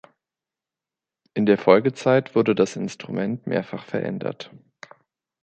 In der Folgezeit wurde das Instrument mehrfach verändert.